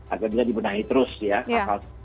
agar bisa dibenahi terus ya